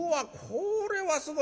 これはすごいな。